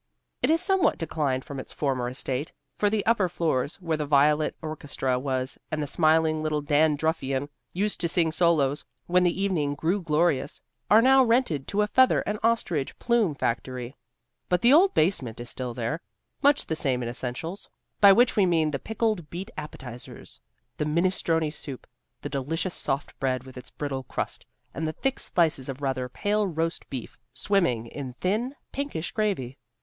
It is somewhat declined from its former estate, for the upper floors, where the violent orchestra was and the smiling little dandruffian used to sing solos when the evening grew glorious, are now rented to a feather and ostrich plume factory. But the old basement is still there, much the same in essentials, by which we mean the pickled beet appetizers, the minestrone soup, the delicious soft bread with its brittle crust, and the thick slices of rather pale roast beef swimming in thin, pinkish gravy.